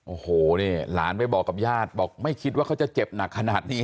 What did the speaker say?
โอ้โหนี่หลานไปบอกกับญาติบอกไม่คิดว่าเขาจะเจ็บหนักขนาดนี้